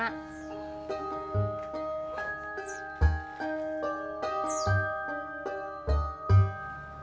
bapak di mana